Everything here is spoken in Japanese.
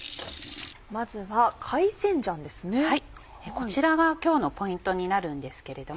こちらは今日のポイントになるんですけれども。